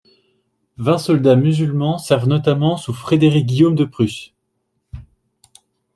Vingt soldats musulmans servent notamment sous Frédéric-Guillaume de Prusse.